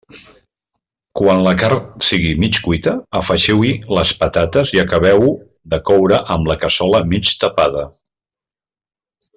Quan la carn sigui mig cuita, afegiu-hi les patates i acabeu-ho de coure amb la cassola mig tapada.